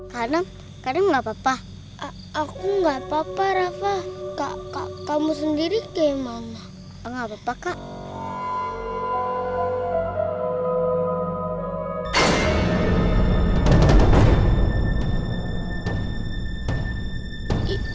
kadem kadem enggak papa aku enggak papa rafa kak kamu sendiri ke mama enggak papa kak